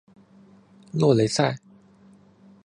洛雷塞。